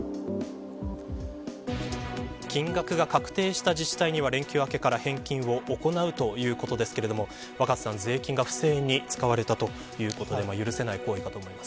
金額が確定した自治体には連休明けから返金を行うということですが、若狭さん税金が不正に使われたということで許せない行為かと思います。